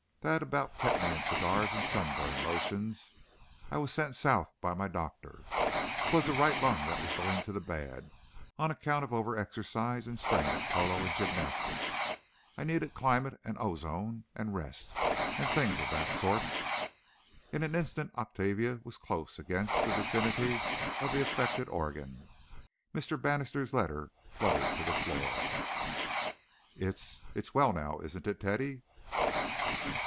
That about kept me in cigars and sunburn lotions. I was sent south by my doctor. 'Twas that right lung that was going to the bad on account of over exercise and strain at polo and gymnastics. I needed climate and ozone and rest and things of that sort." In an instant Octavia was close against the vicinity of the affected organ. Mr. Bannister's letter fluttered to the floor. "It's—it's well now, isn't it, Teddy?"